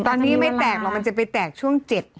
ตอนนี้ไม่แตกหรอกมันจะไปแตกช่วง๗